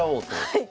はい。